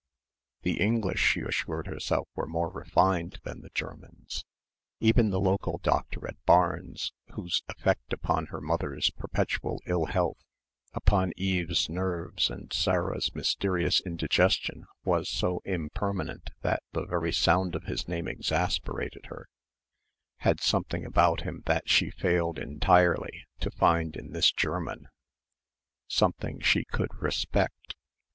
The English she assured herself were more refined than the Germans. Even the local doctor at Barnes whose effect upon her mother's perpetual ill health, upon Eve's nerves and Sarah's mysterious indigestion was so impermanent that the very sound of his name exasperated her, had something about him that she failed entirely to find in this German something she could respect.